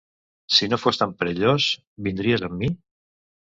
Si no fos tan perillós, vindries amb mi?